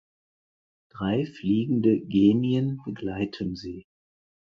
Drei fliegende Genien begleiten sie.